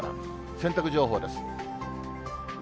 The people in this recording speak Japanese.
洗濯情報です。